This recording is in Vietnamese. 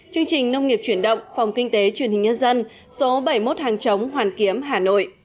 chương trình nông nghiệp chuyển động phòng kinh tế truyền hình nhân dân số bảy mươi một hàng chống hoàn kiếm hà nội